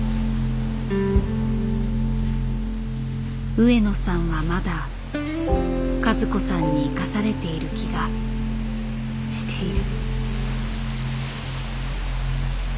上野さんはまだ和子さんに生かされている気がしている。